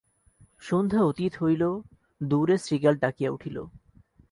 সন্ধ্যা অতীত হইল, দূরে শৃগাল ডাকিয়া উঠিল।